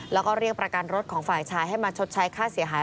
แล้วลาการรถของฝ่ายชายให้มาชดใช้ค่าเสียหาย